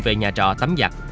về nhà trọ tắm giặt